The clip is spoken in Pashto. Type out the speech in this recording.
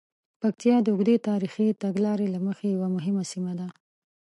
پکتیا د اوږدې تاریخي تګلارې له مخې یوه مهمه سیمه ده.